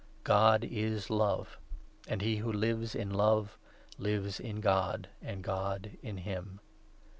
God is Love ; and he who lives in love lives in God, and God in him.